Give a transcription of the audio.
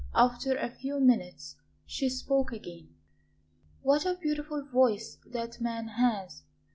After a few minutes she spoke again. "What a beautiful voice that man has!